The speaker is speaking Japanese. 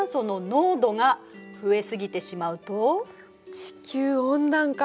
地球温暖化。